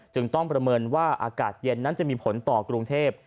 จึงต้องประเมินว่าอากาศเย็นนั้นจะมีผลต่อกรุงเทพ